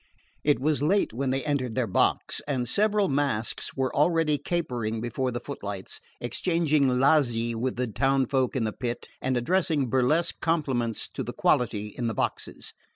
It was late when they entered their box, and several masks were already capering before the footlights, exchanging lazzi with the townsfolk in the pit, and addressing burlesque compliments to the quality in the boxes.